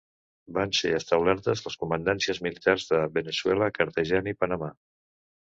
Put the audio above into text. Van ser establertes les comandàncies militars de Veneçuela, Cartagena i Panamà.